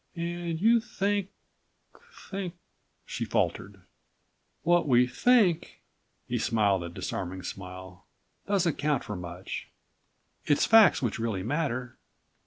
"105 "And you think—think—" she faltered. "What we think," he smiled a disarming smile, "doesn't count for much. It's facts which really matter.